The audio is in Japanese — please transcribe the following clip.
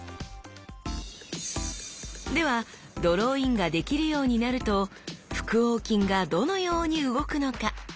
ではドローインができるようになると腹横筋がどのように動くのか？